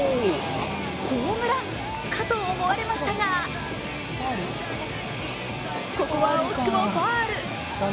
ホームランかと思われましたがここは惜しくもファウル。